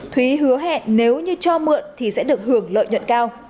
thúy hứa hẹn nếu như cho mượn thì sẽ được hưởng lợi nhuận cao